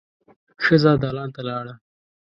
ښځه دالان ته لاړه.